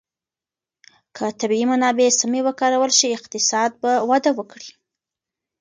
که طبیعي منابع سمې وکارول شي، اقتصاد به وده وکړي.